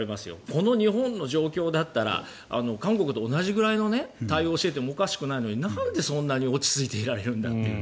この日本の状況だったら韓国と同じぐらいの対応をしていてもおかしくないのになんで落ち着いているんだと。